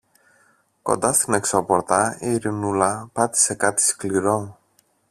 Κοντά στην εξώπορτα η Ειρηνούλα πάτησε κάτι σκληρό.